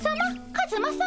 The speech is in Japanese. カズマさま？